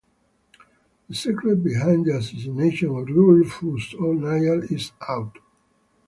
The secret behind the assassination of Rufus O'Niall is out.